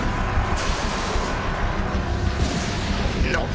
なっ！